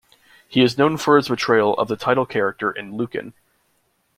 He is known for his portrayal of the title character in "Lucan".